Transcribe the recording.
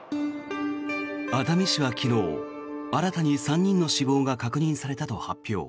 熱海市は昨日、新たに３人の死亡が確認されたと発表。